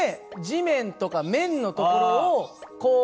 地面とか面のところをこう。